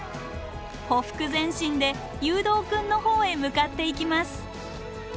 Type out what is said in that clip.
ほふく前進でゆうどうくんの方へ向かっていきます。